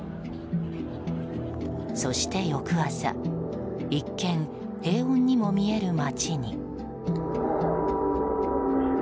そして翌朝、一見平穏にも見える街に。